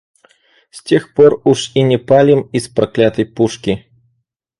С тех пор уж и не палим из проклятой пушки.